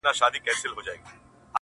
• وو ریښتونی په ریشتیا په خپل بیان کي -